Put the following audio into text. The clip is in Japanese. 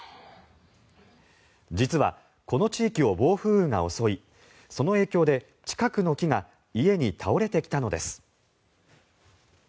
実は、この地域を暴風雨が襲いその影響で近くの木が家に倒れてきたのです。